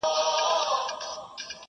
نن مي په دېوان کي د جانان حماسه ولیکه!.